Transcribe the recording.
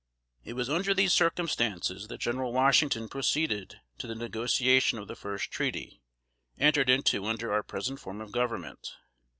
It was under these circumstances, that General Washington proceeded to the negotiation of the first treaty, entered into under our present form of government.